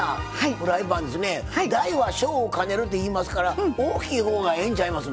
大は小を兼ねるって言いますから大きい方がええんちゃいますの？